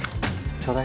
ちょうだい。